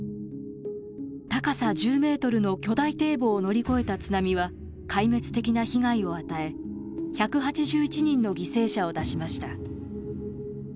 高さ１０ｍの巨大堤防を乗り越えた津波は壊滅的な被害を与え１８１人の犠牲者を出しました。